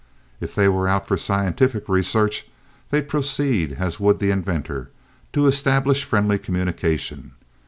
If they were out for scientific research, they'd proceed as would the inventor, to establish friendly communication.